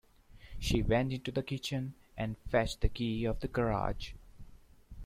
She went into the kitchen and fetched the key of the garage.